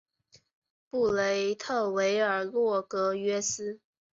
布雷特维尔洛格约斯。